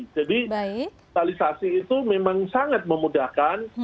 jadi digitalisasi itu memang sangat memudahkan